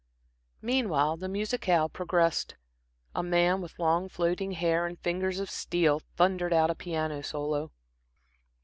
Meanwhile the musicale progressed. A man with long, floating hair and fingers of steel thundered out a piano solo.